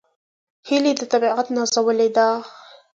هیلۍ د طبیعت نازولې ده